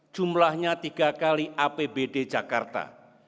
jumlahnya tiga kali apbd jakarta